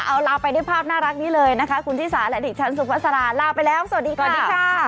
เอาลาไปด้วยภาพน่ารักนี้เลยนะคะคุณชิสาและดิฉันสุภาษาลาไปแล้วสวัสดีค่ะ